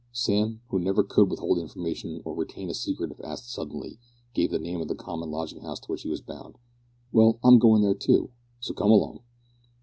Sam, who never could withhold information or retain a secret if asked suddenly, gave the name of the common lodging house to which he was bound. "Well, I'm going there too, so come along."